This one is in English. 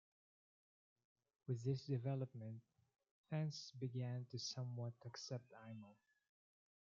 With this development, fans began to somewhat accept Imel.